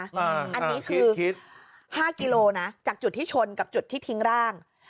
อันนี้คือ๕กิโลนะจากจุดที่ชนกับจุดที่ทิ้งร่าง